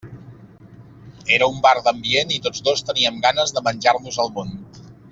Era un bar d'ambient i tots dos teníem ganes de menjar-nos el món.